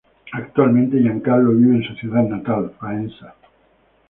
Actualmente, Giancarlo vive en su ciudad natal, Faenza.